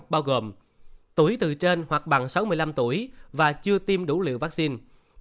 bao gồm tuổi từ trên hoặc bằng sáu mươi năm tuổi và chưa tiêm đủ liều vaccine